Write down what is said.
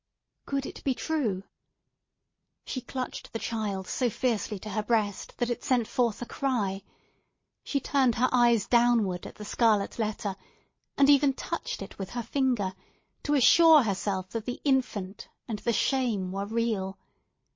Could it be true? She clutched the child so fiercely to her breast that it sent forth a cry; she turned her eyes downward at the scarlet letter, and even touched it with her finger, to assure herself that the infant and the shame were real.